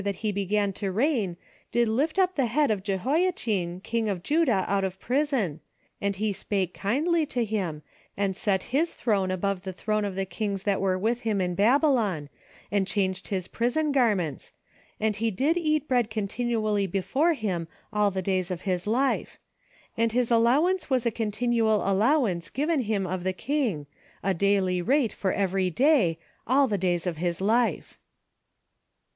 that he be gan to reign did lift up the head of Jehoiachin king of Judah out of prison ; And he spake kindly to him, and set his throne above the throne of the kings that were with him in Babylon ; And changed his prison garments : and he did eat bread continually before him all the days of his life. And his allowance was a continual allow ance given him of the king, a daily rate for every day, all the days of his life.